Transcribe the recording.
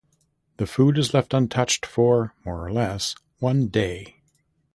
This food is left untouched for, more or less, one day.